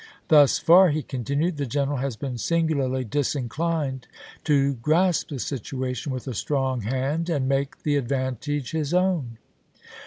Thus far," he continued, "the general has been singularly disinclined to grasp the situation with a strong hand and make the advantage his own."